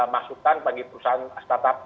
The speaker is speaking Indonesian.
masukan bagi perusahaan startup